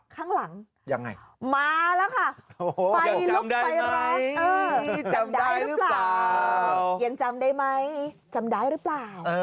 ข้างหลังยังไงมาแล้วค่ะไฟลุกไฟร้องจำได้หรือเปล่ายังจำได้ไหมจำได้หรือเปล่า